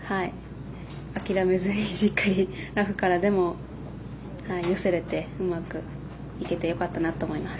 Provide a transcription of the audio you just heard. あきらめずにしっかりとラフからでも寄せれてうまくいけてよかったなと思っています。